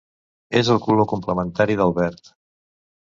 És el color complementari del verd.